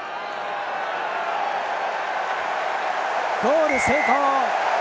ゴール成功！